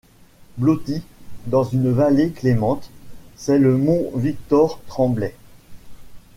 Blotti dans une vallée clémente, c'est le mont Victor Tremblay.